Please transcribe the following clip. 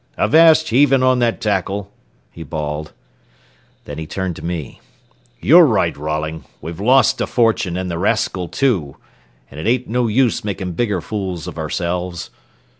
"Avast heavin' on that tackle," he bawled. Then he turned to me. "You're right, Rolling, we've lost a fortune an' the rascal too, but it ain't no use making bigger fools of ourselves.